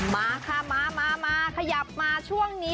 มาค่ะมามาขยับมาช่วงนี้